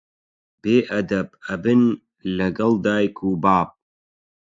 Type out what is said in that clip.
بێ ئەدەب ئەبن لەگەڵ دایک و باب